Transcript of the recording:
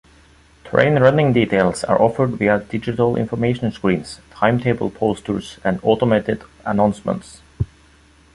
Train running details are offered via digital information screens, timetable posters and automated announcements.